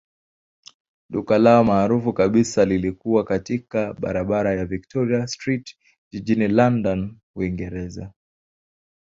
Duka lao maarufu kabisa lilikuwa katika barabara ya Victoria Street jijini London, Uingereza.